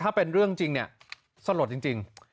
ถ้าเป็นเรื่องจริงเนี่ยสลดจริง